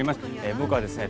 僕はですね